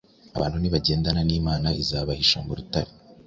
Abantu nibagendana n’Imana izabahisha mu Rutare.